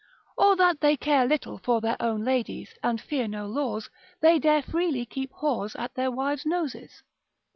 Or that they care little for their own ladies, and fear no laws, they dare freely keep whores at their wives' noses.